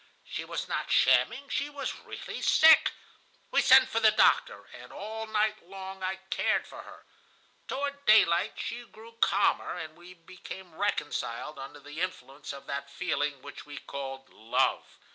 She was not shamming, she was really sick. We sent for the doctor, and all night long I cared for her. Toward daylight she grew calmer, and we became reconciled under the influence of that feeling which we called 'love.